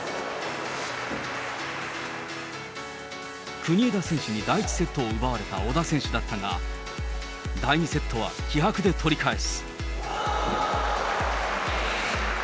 国枝選手に第１セットを奪われた小田選手だったが、第２セットは気迫で取り返す。